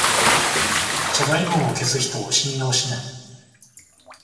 謝罪文を消す人を信用しない